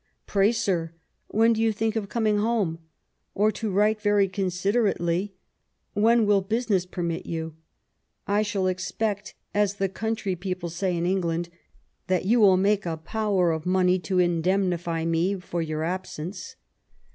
Pray, sir I when do you think of coming home ? or, to write very considerately, wheir will business permit you ? I shall expect (as the country people say in England) that you will make a power of money to indemnify me for your absence.